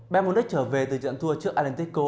bm munich trở về từ trận thua trước atletico